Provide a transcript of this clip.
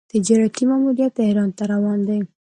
تجارتي ماموریت تهران ته روان دی.